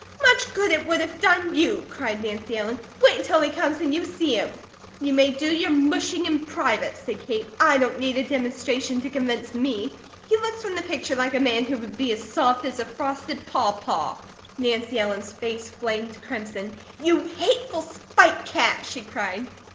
"Much good it would have done you!" cried Nancy Ellen. "Wait until he comes, and you see him!" "You may do your mushing in private," said Kate. "I don't need a demonstration to convince me. He looks from the picture like a man who would be as soft as a frosted pawpaw." Nancy Ellen's face flamed crimson. "You hateful spite cat!" she cried.